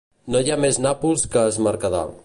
No hi ha més Nàpols que es Mercadal.